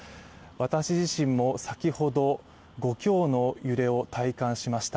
私自身も先ほど、５強の揺れを体感しました。